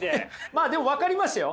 まあでも分かりますよ！